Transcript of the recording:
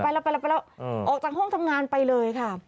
ไปแล้วไปแล้วออกจากห้องทำงานไปเลยค่ะ